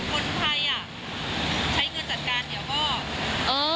คนใครใช้เงินจัดการเดี๋ยวก็